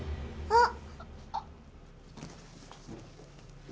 あっ。